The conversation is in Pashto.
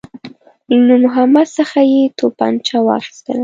له نور محمد څخه یې توپنچه واخیستله.